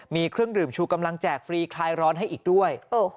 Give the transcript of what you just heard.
มีเครื่องดื่มชูกำลังแจกฟรีคลายร้อนให้อีกด้วย